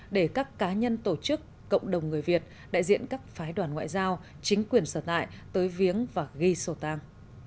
để các cá nhân tổ chức cộng đồng người việt đại diện các phái đoàn ngoại giao chính quyền sở tại tới viếng và ghi sổ tang